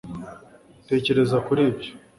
tekereza kuri ibyo